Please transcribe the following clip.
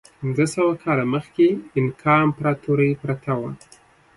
پنځه سوه کاله مخکې اینکا امپراتورۍ پرته وه.